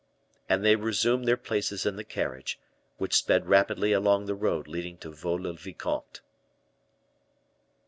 And they resumed their places in the carriage, which sped rapidly along the road leading to Vaux le Vicomte.